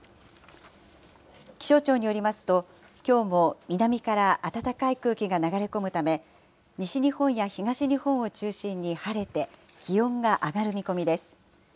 気象庁によりますと、きょうも南から暖かい空気が流れ込むため、西日本や東日本を中心に晴れて、気温が上がる見込みです。